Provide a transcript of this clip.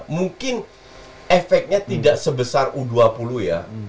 mungkin efeknya tidak sebesar u dua puluh ya